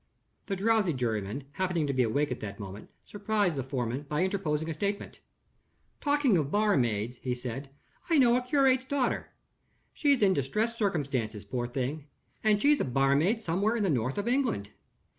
The drowsy juryman, happening to be awake at that moment, surprised the foreman by interposing a statement. "Talking of barmaids," he said, "I know a curate's daughter. She's in distressed circumstances, poor thing; and she's a barmaid somewhere in the north of England.